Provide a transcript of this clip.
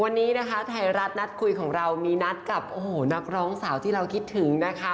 วันนี้นะคะไทยรัฐนัดคุยของเรามีนัดกับโอ้โหนักร้องสาวที่เราคิดถึงนะคะ